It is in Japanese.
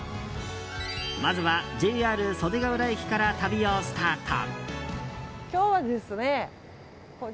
まずは、ＪＲ袖ケ浦駅から旅をスタート。